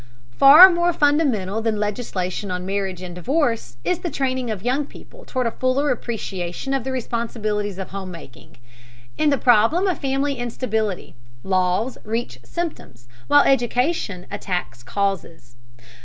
Far more fundamental than legislation on marriage and divorce is the training of young people toward a fuller appreciation of the responsibilities of home making. In the problem of family instability, laws reach symptoms, while education attacks causes.